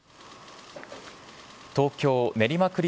東京・練馬区立